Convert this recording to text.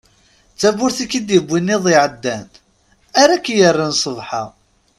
D tawwurt ik-id-yewwin iḍ iɛeddan ara ak-yerren sbeḥ-a.